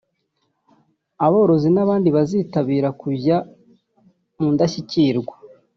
aborozi n’abandi bazitabira kujya mu Ndashyikirwa